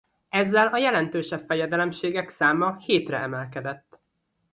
Ezzel a jelentősebb fejedelemségek száma hétre emelkedett.